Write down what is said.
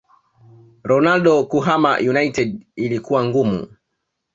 Ronaldo kuhama united ilikuwa ngumu